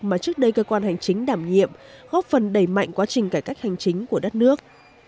mà trước đây cơ quan hành chính đảm nhiệm góp phần đẩy mạnh quá trình cải cách hành chính của đất nước